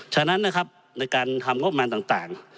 ฉะนั้นในการทำงบมันต่าง